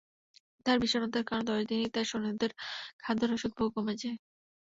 তার বিষন্নতার কারণ, দশদিনেই তার সৈন্যদের খাদ্য রসদ বহু কমে যায়।